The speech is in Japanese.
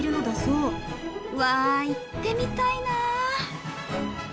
うわ行ってみたいな。